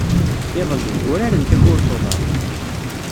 Iḍelli, uraren takurt n uḍar.